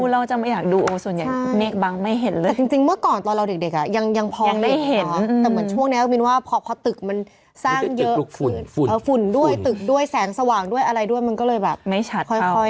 รายนั้นคือคำไหนตอนเรียนหนังสือฟื้นด้วยตึกด้วยแสงสว่างด้วยอะไรด้วยก็เลยแบบไม่ชัด